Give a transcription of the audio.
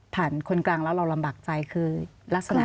คนกลางแล้วเราลำบากใจคือลักษณะ